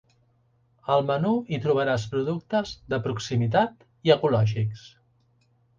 Al menú hi trobaràs productes de proximitat i ecològics.